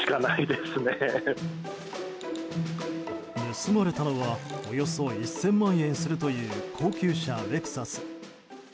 盗まれたのはおよそ１０００万円するという高級車、レクサス。